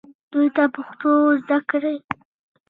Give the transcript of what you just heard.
دوی ته پښتو زده کړئ